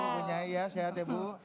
terima kasih ibu sehat ya ibu